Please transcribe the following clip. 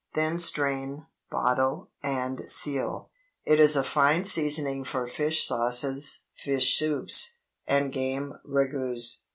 Then strain, bottle, and seal. It is a fine seasoning for fish sauces, fish soups, and game ragoûts.